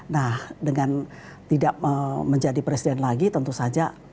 nah dengan tidak menjadi presiden lagi tentu saja